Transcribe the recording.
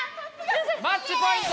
マッチポイント。